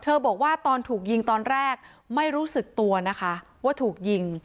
บอกว่าตอนถูกยิงตอนแรกไม่รู้สึกตัวนะคะว่าถูกยิง